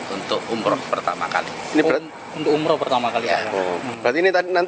untuk umroh pertama kali